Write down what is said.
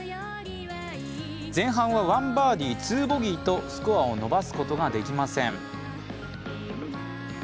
前半は１バーディー・２ボギーとスコアを伸ばすことができません。